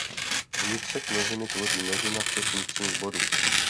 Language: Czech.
Vnitřek množiny tvoří množina všech "vnitřních bodů".